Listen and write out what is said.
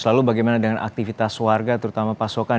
lalu bagaimana dengan aktivitas warga terutama pasokan